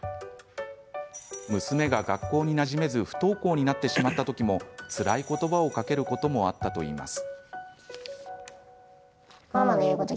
娘が学校になじめず不登校になってしまった時もつらい言葉をかけることもあったといいます。